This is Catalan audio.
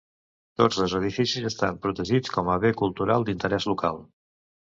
Tots dos edificis estan protegits com a bé cultural d'interès local.